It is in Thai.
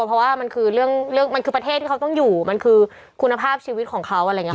เพราะว่ามันคือเรื่องมันคือประเทศที่เขาต้องอยู่มันคือคุณภาพชีวิตของเขาอะไรอย่างนี้